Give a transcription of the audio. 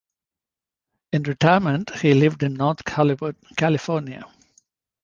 In retirement, he lived in North Hollywood, California.